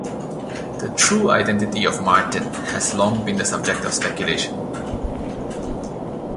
The true identity of "Martin" has long been the subject of speculation.